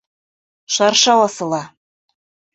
Шаршау асыла.